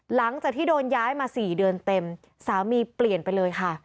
หลังจากที่โดนย้ายมา๔เดือนเต็มสามีเปลี่ยนไปเลยค่ะ